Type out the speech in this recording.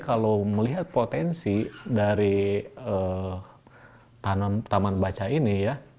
kalau melihat potensi dari taman baca ini ya